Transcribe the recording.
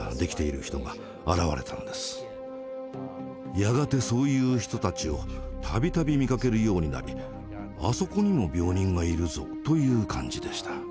やがてそういう人たちを度々見かけるようになり「あそこにも病人がいるぞ」という感じでした。